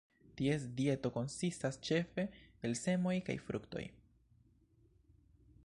Ties dieto konsistas ĉefe el semoj kaj fruktoj.